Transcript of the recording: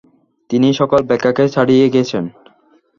তিনি সকল ব্যাখ্যাকে ছাড়িয়ে গেছেন।